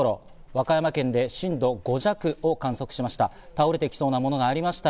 和歌山県で震度５弱を観測しました。